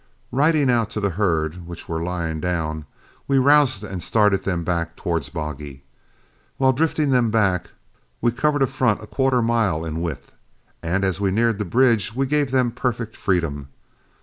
Riding out to the herd, which were lying down, we roused and started them back towards Boggy. While drifting them back, we covered a front a quarter of a mile in width, and as we neared the bridge we gave them perfect freedom.